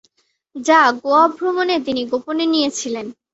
যা গোয়া ভ্রমণে তিনি গোপনে নিয়েছিলেন।